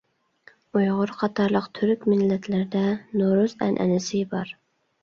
ئۇيغۇر قاتارلىق تۈرك مىللەتلىرىدە نورۇز ئەنئەنىسى بار.